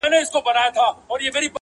زموږ د پلار او دنیکه په مقبره کي,